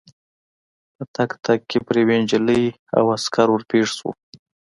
په تګ تګ کې پر یوې نجلۍ او عسکر ور پېښ شوو.